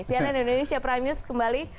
cnn indonesia prime news kembali